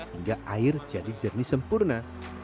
hingga air jadi jernih sempurna